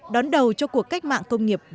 đón đầu cho cuộc cách mạng công nghiệp bốn